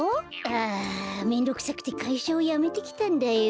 ああめんどくさくてかいしゃをやめてきたんだよ。